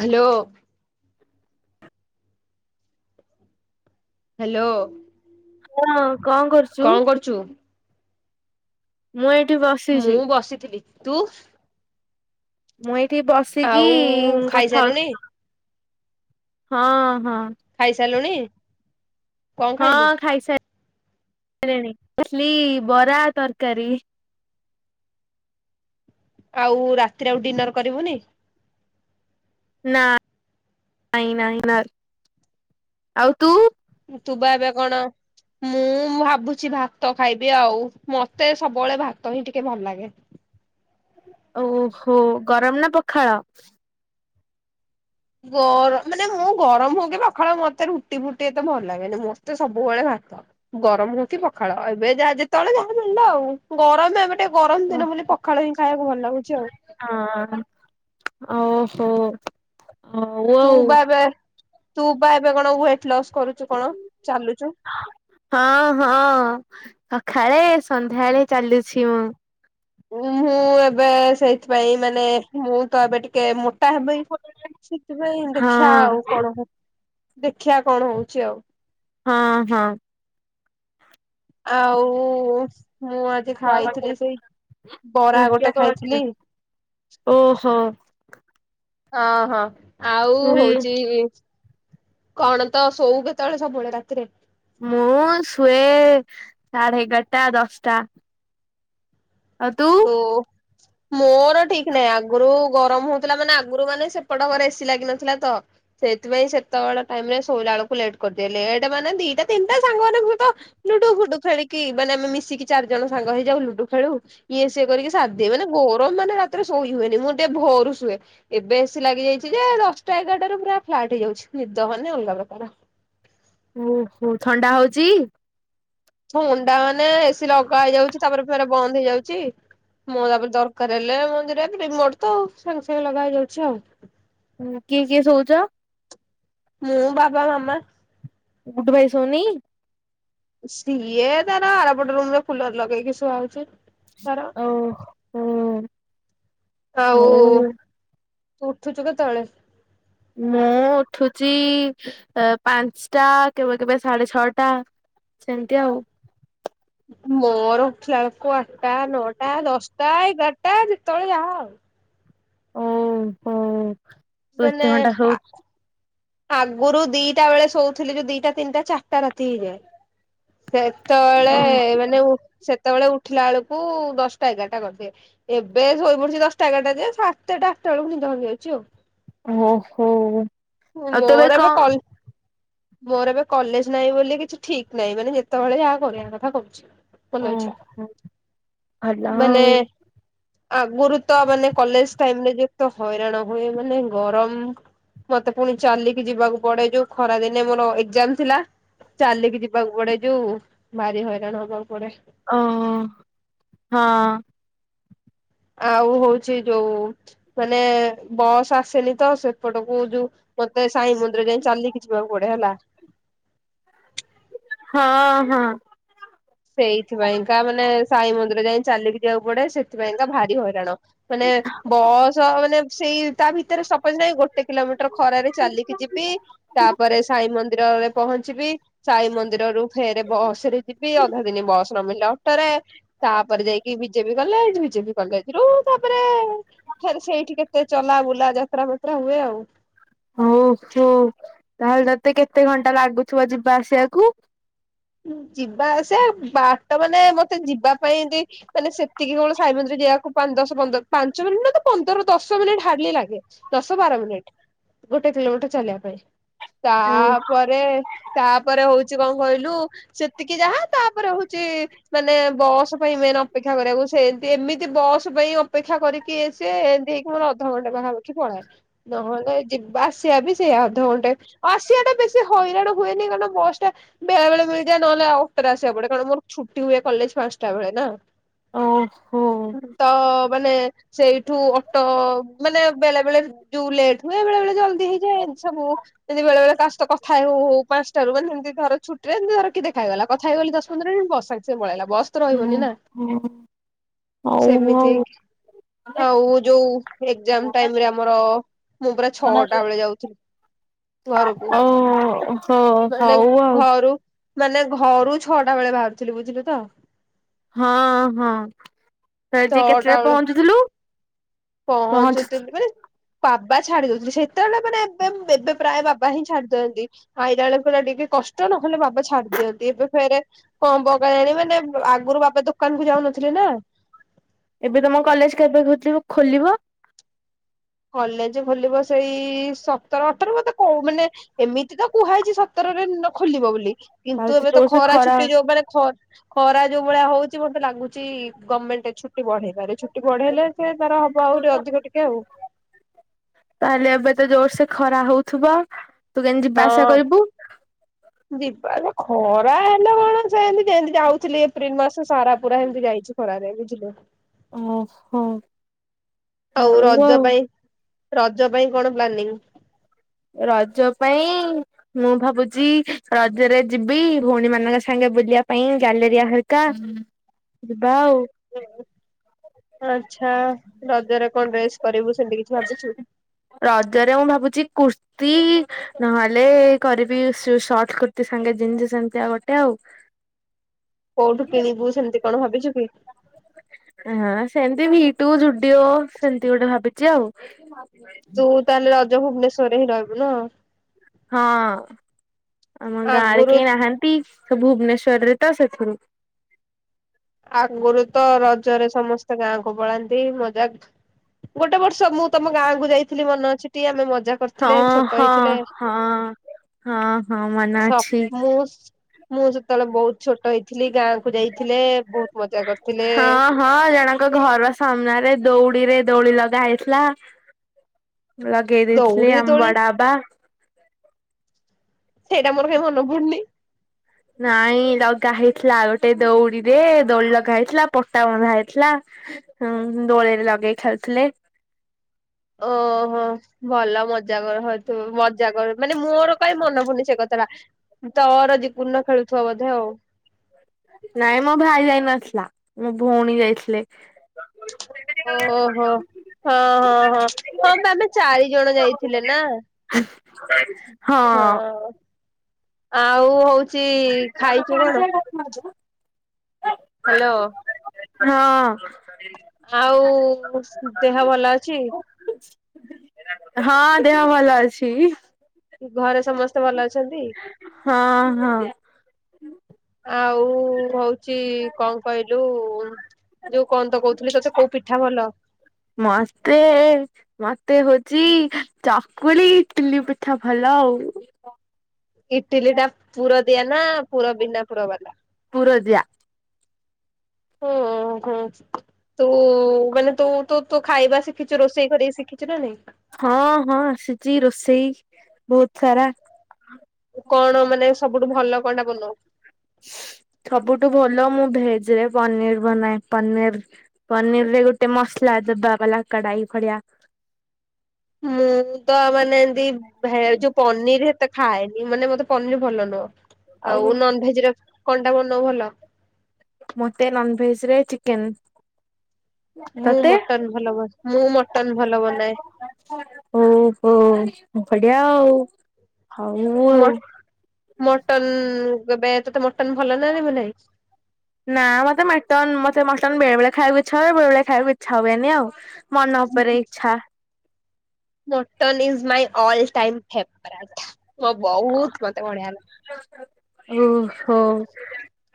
Hello hello କଣ କଣ କରୁଛୁ? କଣ କରୁଛୁ? ମୁଁ ଏ ମୁଁ ବସିଥିଲି। ତୁ ମୁଁ ଏଇ ଏଠି ଆଉ ବସିକି-ଇ-ଇ କଥା ଖାଇସାରିଲୁଣି ହଉଥିଲି ତୋ ସାଙ୍ଗରେ ହଁ ହଁ। [inaudible] ଚାଲୁଣି ହଁ ଖାଇସାଇ ସାଇଲିଣି ଘସଲି ବରା ତରକାରୀ। ଆଉ ରାତିରେ ଆଉ ଡିନର କରିବୁନି? ନା ନାଇଁ ନାଇଁ ନା ଆଉ ତୁ? ତୁ ବା ଏବେ କଣ, ମୁଁ ଭାବୁଛି ଭାତ ଖାଇବି ଆଉ ମତେ ସବୁବେଳେ ଭାତ ହିଁ ଟିକେ ଭଲ ଲାଗେ। ଓହୋ ଗରମ ନା ପଖାଳ? ଗର ମାନେ ମୁଁ ଗରମ ହଉ କି ପଖାଳ ମତେ ରୁଟି ଫୁଟି ଏତେ ଭଲ ଲାଗେନି। ମୋତେ ସବୁବେଳେ ଭାତ। ଗରମ ହଉ କି ପଖାଳ ଏବେ ଯାହା ଯେତେବେଳେ ଯାହା ମିଳିଲା ଆଉ ଗରମ ଏ ଏ ଗରମ ହଁ ଦିନ ବୋଲି ପଖାଳ ହିଁ ଖାଇବାକୁ ଭଲ ଲାଗୁଛି ଆଉ। ଓହୋ। ହଉ ତୁ ଆଉ। ବା ଏବେ ତୁ ବା ଏବେ କଣ ୱେଟ ଲସ ହଁ ହଁ ହ। ଖାଳେ ସନ୍ଧ୍ୟାବେଳେ ଚାଲିଛି ମୁଁ। ମୁଁ ମୁଁ ଏବେ ସେଇଥିପାଇଁ ମାନେ ମୁଁ ତ ଏବେ ଟିକେ ମୋ ତାହା ପାଇଁ ସେଥିପାଇଁ ଦେଖିବା ହଁ ଆଉ କଣ ହୁ ଦେଖିବା କଣ ହଉଛି ଆଉ। ହଁ ହଁ। ଆଉ-ଉ-ଉ ମୁଁ ଆଜି ଖାଇଥିଲି ସେଇ ବରା ଗୋଟେ ଖାଇଥିଲି। ଓହୋ ଅ ହଁ ଆଉ ତୁ ବି ହଉଚି କଣ ତ ଶୋଉ କେତେବେଳେ ସବୁବେଳେ ରାତିରେ ମୁଁ ଶୁଏେ ସାଢେ ଏଗାରଟା ଦଶଟା ଆଉ ତୁ? ହ ମୋର ଠିକ ନାହିଁ ଆଗରୁ ଗରମ ହଉଥିଲା ମାନେ ଆଗରୁ ମାନେ ସେପଟ ଘରେ ଏସି ଲାଗିିନଥିଲା ତ ସେଇଥିପାଇଁ ସେତେବେଳେ ଟାଇମ ରେ ଶୋଇଲା ବେଳକୁ ଲେଟ କରିଦି ଲଟ ମାନେ ଦିଟା ତିନିଟା ସାଙ୍ଗ ମାନେ ତ ଲୁଡୁ ଫୁଡୁ ଖେଳିକି ମାନେ ଆମେ ମିଶିକି ଚାରି ଜଣ ସାଙ୍ଗ ହେଇଯାଉ ଲୁଡୁ ଖେଳୁ ଇଏ ସିଏ କରିକି ସାରିଦିଏ ମାନେ ଗରମ ମାନେ ରାତିରେ ଶୋଇ ହୁଏନି ମୁଁ ଟିକେ ଭରୁ ଶୁଏ ଏବେ ଏଶି ଲାଗିଯାଇଛି ଯେ ଦଶଟା ଏଗାରଟାରୁ ପୁରା ଫ୍ଲାଟ ହେଇଯାଉଛି ନିଦ ମାନେ ଅଲଗା ପ୍ରକାର ଓହୋ ଥଣ୍ଡା ହଉଚି ମୁଣ୍ଡା ମାନେ ଏସି ଲଗା ହେଇଯାଉଛି ତାପରେ ବନ୍ଦ ହେଇଯାଉଛି ମୁଁ ତାପରେ ଦରକାର ହେଲେ ମଝିରେ ରିମୋଟ ତ ସାଙ୍ଗେ ସାଙ୍ଗେ ଲଗା ହେଇଯାଉଛି ଆଉ ହୁଁ କି କି ସୋଉଚ? ମୁଁ ବାବା ମାମା। ଗୁଡ଼ୁ ଭାଇ ସୋଉନି? ସିଏ ତାର ଆରପଟ ରୁମ ର କୁଲର ଲଗେଇକି ଶୁଆହୋଉଚି। ଓ ହୋ। ହଉ। ତୁ ଉଠୁଛୁ କେତବେଳେ? ମୁଁ ଉଠୁଚି ଏ ପାଞ୍ଚଟା କେବେ କେବେ ସାଢେ ଛଅଟା ସେମିତି ଆଉ। ମୋର ଉଠିଲା ବେଳକୁ ଆଟା ନଅଟା ଦଶଟା ଏଗାରଟା ଯେତେବେଳେ ଯାହା ଆଉ। ଓ ହୋ। ତୁ ମାନେ ଏତେ ଘଣ୍ଟା ସୋଉଚୁ ଆଗରୁ ଦିଟା ବେଳେ ଶୋଉଥିଲି ଯୋଉ ଦିଟା ତିନିଟା ଚାରିଟା ରାତି ହେଇଯାଏ। ସେତେବେଳେ ମାନେ ଉଠ ସେ ସେତେବେଳେ ଉଠିଲା ବେଳକୁ ଦଶଟା ଏଗାରଟା କରିଦିଏ ଏବେ ଶୋଇ ପଡିଚି ଦଶଟା ଏଗାରଟା ଜେ ସାତେଟା ଆଠଟା ବେଳକୁ ନିଦ ଭାଙ୍ଗି ଯାଉଚି ଆଉ। ଓ ହୋ। ମୋର ଏବେ କ ମୋର ଏବେ କଲେଜ ନାହିଁ ବୋଲି କିଛି ଠିକ ନାହିଁ ମାନେ ଯେତେବେଳେ ଯାହା କରିବା କଥା କରୁଛି। ମନଇଛା ଓହୋ ଭଲ ମାନେ ଆଉ। ଆଗୁରୁ ତ ମାନେ କଲେଜ ଟାଇମରେ କେତେ ହଇରାଣ ହୁଏ ମାନେ ଗରମ ମତେ ପୁଣି ଚାଲିକି ଯିବାକୁ ପଡେ ଯୋଉ ଖରା ଦିନେ ମୋର ଏଗଜାମ୍ ଥିଲା ଚାଲିକି ଯିବାକୁ ପଡେ ଜୋଉ ଭାରି ହଇରାଣ ହବ ଓ ହୋ ହଁ। ଆଉ ହଉଚି ଯୋଉ ମାନେ ବସ୍ ଆସେନି ତ ସେପଟକୁ ଯୋଉ ମତେ ସାଇ ମନ୍ଦି ଦୂରରେ ଯାଇଁକି ଚାଲିକି ଯିବାକୁ ପଡେ ହେଲା। ହଁ ହଁ। ସେଇଥିପାଇଁକା ମାନେ ସାଇ ମନ୍ଦିର ଯାଇ ଚାଲିକି ଯିବାକୁ ପଡେ ସେଥିପାଇଁକା ଭାରି ହଇରାଣ ମାନେ ବସ ମାନେ ସେଇ ତା ଭିତରେ ସପୋଜ ନାଇଁ ଗୋଟେ କିଲୋମିଟର ଖରାରେ ଚାଲିକି ଯିବି ତାପରେ ସାଇ ମନ୍ଦିରରେ ପହଞ୍ଚିବି। ସାଇ ମନ୍ଦିରରୁୁ ଫେର ବସରେ ଯିବି ବସ ନ ମିଳିଲା ଅଟୋରେ ତାପରେ ଯାଇକି ବିଜେପି କଲେଜ ବିଜେପି କଲେଜରୁୁ ତାପରେ ଫେରେ ସେଇଠି କେତେ ଚଲା ବୁଲା ଯାତ୍ରା ମାତ୍ରା ହୁଏ ଆଉ। ହଉ ହ ତାହେଲେ ତତେ କେତେ ଘଣ୍ଟା ଲାଗୁଥିବ ଯିବା ଆସିବାକୁ? ଯିବା ଆସ ବାଟ ମାନେ ମତେ ଯିବା ପାଇଁ ମାନେ ସେତିକି ବେଳୁ ସାଇ ମନ୍ଦିର ଯିବାକୁ ପାଞ୍ଚ ଦଶ ପନ୍ଦର ପାଞ୍ଚ ମିନିଟ ନୁହ ତ ପନ୍ଦରରୁ ଦଶ ମିନିଟ ହାଡଲି ଲାଗେ ଦଶ ବାର ମିନିଟ୍। ଗୋଟେ କିଲୋମିଟର ଚାଲିବା ପାଇଁ ଓ ତାପରେ ତାପରେ ହଉଛି କଣ କହିଲୁ? ସେତିକି ଯାହା ତାପରେ ହଉଛି ମାନେ ବସ୍ ପାଇଁ ମେନ୍ ଅପେକ୍ଷା କରିବାକୁ ସେମତି ଏମିତି ବସ୍ ପାଇଁ ଅପେକ୍ଷା କରିକି ଆସେ ଏମିତି ହେଇକି ମୋର ଅଧଘଣ୍ଟେ ପାଖାପାଖି ପଳାଏ ନହଲେ ଜିବା ଆସିବା ବି ସେଇ ଅଧଘଣ୍ଟେ ଆସିବା ଟା ବେଶୀ ହଇରାଣ ହୁଏନି କାରଣ ବସ୍ ଟା ବେଳେ ବେଳେ ନହେଲେ ଆଉଥରେ ଆସିବକୁ ପଡ଼ିବ କାରଣ ମୋର ଛୁଟି ହୁଏ କଲେଜ ପାଞ୍ଚଟା ବେଳେ ନା। ଓହୋ [inaudible] ତ ମାନେ ସେଇଠୁ ଅଟୋ ମାନେ ବେଳେ ବେଳେ ଯୋଉ ଲେଟ୍ ହୁଏ ବେଳେ ବେଳେ ଜଲ୍ଦି ହେଇଯାଏ ସବୁ ଏମିତି ବେଳେ ବଳେ ତା କଥା ହଉ ହଉ ପାଞ୍ଚଟାରୁ ମାନେ ଏମିତି ଧର ଛୁଟିରେ ଏମିତିର ଦେଖାହେଇଗଲା କଥା ହେଇଗଲି ଦଶ ପନ୍ଦର୍ ମିନିଟ୍ ବସ ସାଙ୍ଗେ ସାଙ୍ଗେ ପଳେଇଲା। ବସ୍ ତ ଓହୋ ରହିବନି ନା ହଉ ସେମିତି ହଉ। ଆଉ ଯୋଉ ଏକ୍ଜାମ ଓହୋ ଟାଇମ୍ଏ ରେ ଆମର ମୁଁ ପୁରା ହଉ ଛଅଟା ବେଳେ ଯାଉଥିଲି। ଘରକୁ। ଆଉ ହଁ ମାନେ ହଉ ଆଉ। ଘରୁ ମାନେ ଘରୁ ଛଅଟା ବେଳେ ବାହାରୁଥିଲି ବୁଝିଲୁ ତ। ହଁ ହଁ ସେଜି ଛଅଟା କେତେଟାରେ ବେଳୁ ପହଞ୍ଚୁଥିଲୁ ପହଞ୍ଚି ପହଞ୍ଚୁଥିଲି ମାନେ ବାବା ଛାଡି ଦଉଥିଲେ ସେତେବେଳେ ମାନେ ଏବେ ଏବେ ପ୍ରାୟ ବାବା ହିଁ ଛାଡି ଦିଅନ୍ତି ଆଇଲା ବେଳକୁ ଟିକେ କଷ୍ଟ ନହଲେ ବାବା ଛାଡି ଦିଅନ୍ତି ଏବେ ଫରେ କଣ ପକାଯାଣି ମାନେ ଆଗରୁ ବାବା ଦୋକାନକୁ ଯାଉନଥିଲେ ନା। ଏବେ ତମ କଲେଜ କେବେ ଖୋଲିବ? ଖୋଲିବ। କଲେଜ ଖୋଲିବ ସେଇ ସତର ଅଠର ମତେ କ ମାନେ ଏମିତି ତ କୁହାଯଇଛି ସତରରେ ଖୋଲିବ ବୋଲି କିନ୍ତୁ ଏବେ ତ ଖରା ଛୁଟି ଯୋଉ ମାନେ ଖ ଖରା ଯୋଉ ଭଳିଆ ହଉଛି ମତେ ଲାଗୁଛି ଗଭର୍ଣ୍ଣମେଣ୍ଟ ଛୁଟି ବଢେଇବାରେ ଛୁଟି ବଢେଇଲେ ସେ ତାର ହବ ଆହୁରି ଅଧିକ ଟିକେ ଆଉ ତାହେଲେ ଏବେ ତ ଜୋର ସେ ଖରା ହଉଥିବ। ତୁ କେମିତି ଜିବା ଆସିବା ହଁ। କରିବୁ? ଯିବା ଖରା ହେଲା କଣ ସେମିତି ଯେମିତି ଯାଉଥିଲି ଏପ୍ରିଲ ମାସ ସାରା ପୁରା ସେମିତି ଯାଇଛି ଖରାରେ ବୁଝିଲୁ। ଓ ହୋ। ହଉ ରଜ ପାଇଁ ରଜ ପାଇଁ କଣ ପ୍ଲାନିଂ? ରଜ ପାଇଁ ମୁଁ ଭାବୁଛି ରଜରେ ଯିବି ଭଉଣୀ ମାନଙ୍କ ସାଙ୍ଗେ ବୁଲିବା ପାଇଁ ଗ୍ୟାଲେରିଆ ହେରିକା। ୱାଓ। ଆଚ୍ଛା ରଜରେ କଣ ଡ୍ରେସ୍ କରିବୁ ସେମିତି କିଛି ଭାବୁଛୁ। ରଜରେ ମୁଁ ଭାବୁଛି କୁର୍ତ୍ତି ନହେଲେ କରିବି ସର୍ଟ କୁର୍ତ୍ତିୀ ସାଙ୍ଗେ ଜିନସ ସେମିତି ଆଉ ଗୋଟେ ଆଉ କୋଉଠୁ କିଣିବୁ ସେମତି କଣ ଭାବିଛୁ। ହୁଁ। ହଁ ସେମିତି ଭିଟୁ ଯୁଡିଓ ସେମିତି ଗୋଟେ ଭାବିଛି ଆଉ। ଏ ତୁ ତାହେଲେ ରଜ ଭୁବନେଶ୍ଵର ରେ ହିଁ ରହିବୁ ନା। ହଁ ଆମ ଗାଁ ରେ ଆଗରୁ କେହି ନାହାନ୍ତି ତ ଭୁବନେଶ୍୍ୱର ରେ ତ ସେଥିରୁ ଆଗରୁ ତ ରଜରେ ସମସ୍ତେ ଗାଁକୁ ପଳାନ୍ତି ମଜା ଗୋଟେ ବର୍ଷ ମୁଁ ତମ ଗାଁକୁ ଯାଇଥିଲି ମନେ ଅଛି ଟିକେ ଆମେ ମ ହଁ ହଁ ହଁ ହଁ ହଁ ମନ ସ ଅଛି। ମୁଁ ମୁଁ ଜେତବେଳେ ବହୁତ ଛୋଟ ହେଇଥିଲି ଗାଁ କୁ ଯାଇଥିଲେ ବହୁତ ମଜା କରିଥିଲେ। ହଁ ହଁ ଜଣଙ୍କ ଘରୁ ଆସ ସାମ୍ନାରେ ଦଉଡି ରେ ଦୋଳି ଲଗା ହେଇଥିଲା। ଲଗେଇ ଦେଇଥିଲି ଦଉଡିରେ ଆମ ଦୋଳି ବଡା ଆପା ସେଇଟା ମୋର କାଇଁ ମନେ ପଡୁନି। ନାଇଁ ଲଗା ହେଇଥିଲା ଗୋଟେ ଦଉଡିରେ ଦୋଳି ଲଗା ହେଇଥିଲା ପଟା ବନ୍ଧା ହେଇଥିଲା ଉଁ ଦୋଳିରେ ଲଗେଇ ଖେଳୁଥିଲେ। ଓହୋ ଭଲ ମଜା କର ହଉଥିବ ମଜା କର ମାନେ ମୋର କାଇଁ ମନ ପଡୁନି ସେ କଥାଟା ତୋର ଦିପୁନ ର ଖେଳୁଥିବ ବୋଧେ ଆଉ। ନାଇଁ ମୋ ଭାଇ ଯାଇ ନଥିଲା ମୋ ଭଉଣୀ ଯାଇଥିଲେ। ଓହୋ ହଁ ହଁ ହଁ ହଁ ପା ଆମେ ଚାରି ଜଣ ଯାଇଥିଲେ ନା ହଁ। ଆଉ ହଉଚି ଖାଇଚୁ କଣ? ହ୍ୟାଲୋ। ହଁ। ଆଉ ଦେହ ଭଲ ଅଛି? ହଁ ଦେହ ଭଲ ଅଛି। ଘରେ ସମସ୍ତେ ଭଲ ଅଛନ୍ତି? ହଁ ହଁ। ଆଉ ହଉଛି କଣ କହିଲୁ ଯୋଉ କନ୍ଦ କହୁଥିଲି ତଛ କୋଉ ପିଠା ଭଲ? ମତେ ମତେ ହଉଚ ଚକୁଳି ଇଟିଲି ପିଠା ଭଲ ଆଉ। ଇଟିଲି ଟା ପୁର ଦିଆ ନା ପୁର ବିନା ପୁର ବାଲା? ପୁରଦିଆ। ହୁଁ ହୁଁ ତୁ ମାନେ ତୁ ତୁ ତୁ ଖାଇବା ଶିଖିଛୁ ରୋଷେଇ କରିକି ଶିଖିଛୁ ନା ନାଇଁ। ହଁ ହଁ ଆସିଛି ରୋଷେଇ ବହୁତ ସାରା। କଣ ମାନେ ସବୁଠୁ ଭଲ କଣଟା ବନଉ। ସବୁଠୁ ଭଲ ମୁଁ ଭେଜରେ ପନିର ବନାଏ ପନିର ପନିର ରେ ଗୋଟେ ମସଲା ଦବା ବାଲା କଡାଇ ଭଳିଆ। ମୁଁ ତ ମାନେ ଏମତି ଭେ ଯୋଉ ପନିର ସେତେ ଖାଏନି ମାନେ ମତେ ପନିର ଭଲ ନୁହଁ। ଆଉ ନନ ଭେଜ ର କଣ୍ଟା ବନଉ ଭଲ। ମୋତେ ନଭେଜେରେ ଚିକେନ୍ ମୁଁ ମଟନ ଭଲ ମୁଁ ମଟନ ଭଲ ବନାଏ। ଓହୋ [inaudible] ବଢିଆ ଆଉ। ହୋଉ ମ ଆଉ। ମଟନ କେବେ ତତେ ମ ନାଁ ମତେ ମଟନ ମ ସେ ମଟନ୍ ବେଳେ ବେଳେ ଖଇବାକୁ ଇଚ୍ଛା ହୁଏ ବେଳେ ବେଳେ ଖାଇବାକୁ ଇଚ୍ଛା ହୁଏନି ଆଉ। ମନ ଉପରେ ଇଚ୍ଛା। Mutton is my all time favourite. ଓଁ ବହୁତ ମତେ ବଢିଆ ଓହୋ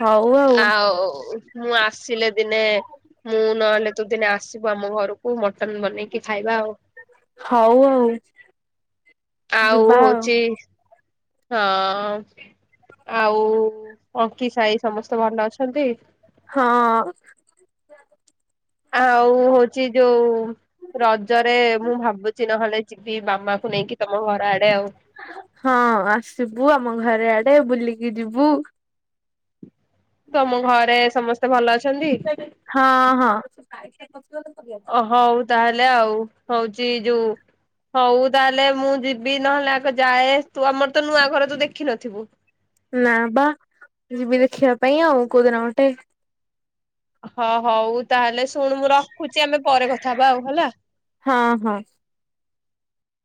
ହଉ ଆଉ। ମୁଁ ଆସିଲେ ଦିନେ ମୁଁ ନହେଲେ ତୁ ଦିନେ ଆସିବୁ ଆମ ଘରକୁ ମ ମଟନ ବନେଇକି ଖାଇବା ଆଉ। [inaudible] ହଉ ଆଉ ଆଉ ହଉଛିି ହଁ ଆଉ ଅଙ୍କି ସାହି ସମସ୍ତେ ଭଲ ଅଛନ୍ତି। ହଁ। [inaudible] ଆଉ ହଉଛି ଯୋଉ ରଜରେ ମୁଁ ଭାବୁଛି ନହେଲେ ଯିବି ମାମାକୁ ନେଇକି ତମ ଘର ଆଡେ ଆଉ। [inaudible] ହଁ ଆସିବୁ ଆମ ଘରେ ଆଡେ ବୁଲିକି ଯିବୁ। ତମ ଘରେ ସମସ୍ତେ [inaudible] ହଁ ହଁ। [inaudible] ଅ ହଉ ତାହେଲେ ଆଉ ହଉଛି ଯୋଉଁ ହଉ ତାହେଲେ ମୁଁ ଯିବି ନହେଲେ ଆଗ ଯାଏ ତୁ ଆମର ତ ନୂଆ ଘରେ ତୁ ଦେଖିନଥିବୁ। ନାଁ ବା ଯିବି ଦେଖିବା ପାଇଁ ଆଉ କୋଉଦିନ ଗୋଟେ ହଁ ହୋଉ ତାହେଲେ ଶୁଣ ମୁଁ ରଖୁଛି ଆମେ ପରେ କଥା ହବା ଆଉ ହେଲା। [inaudible] ହଁ ହଁ।